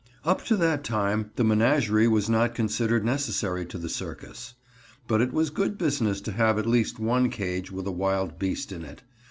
Up to that time the menagerie was not considered necessary to the circus, but it was good business to have at least one cage with a wild beast in it.